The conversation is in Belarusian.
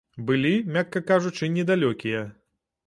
Былі, мякка кажучы, недалёкія.